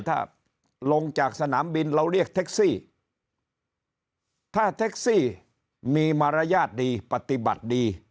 ถ้าลงจากสนามบินเราเรียกแท็กซี่ถ้าแท็กซี่มีมารยาทดีปฏิบัติดี